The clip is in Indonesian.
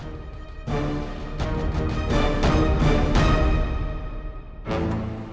dan mau menolong tanpa syarat